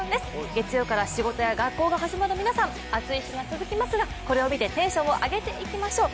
月曜から仕事や学校が始まる皆さん暑い日が続きますが、これを見てテンションを上げていきましょう。